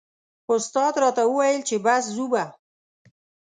استاد راته و ویل چې بس ځو به.